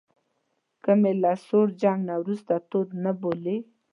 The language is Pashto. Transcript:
که مې له سوړ جنګ وروسته تود نه بولئ.